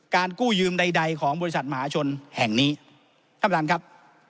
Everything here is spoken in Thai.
การกู้ยืมใดของบริษัทมหาชนแห่งนี้ครับท่านครับ